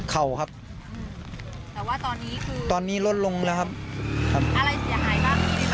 เข่าครับแต่ว่าตอนนี้คือตอนนี้ลดลงแล้วครับครับอะไรเสียหายบ้างพี่ลิซ